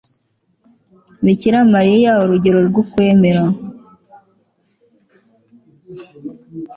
bikira mariya urugero rw'ukwemera